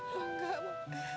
lu gak mau